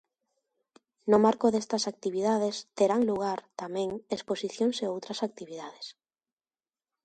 No marco destas actividades terán lugar tamén exposicións e outras actividades.